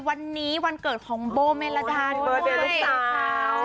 วันนี้วันเกิดของโบเมลาดานด้วยโบเบอร์เดชน์ลูกสาว